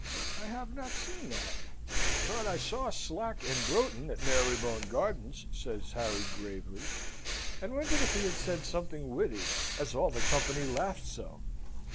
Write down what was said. "I have not seen that: but I saw Slack and Broughton at Marybone Gardens!" says Harry, gravely; and wondered if he had said something witty, as all the company laughed so?